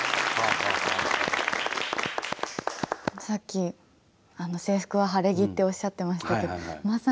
さっき「制服は晴れ着」っておっしゃってましたけどまさに。